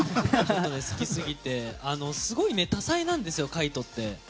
好きすぎてすごい多彩なんですよ海人って。